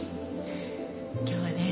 今日はね